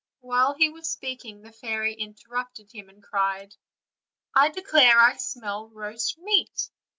While he was speaking the fairy interrupted him, and cried: "I declare I smell roast meat."